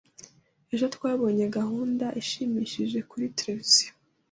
Ejo twabonye gahunda ishimishije kuri tereviziyo.